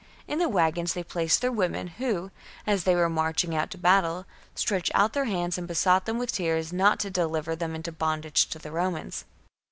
In the wagons they placed their women, who, as they were marching out to battle, stretched out their hands and besought them with tears not to deliver them into bondage to the Romans.